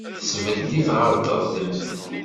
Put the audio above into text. Tesbedd-it ɣer teɣdemt.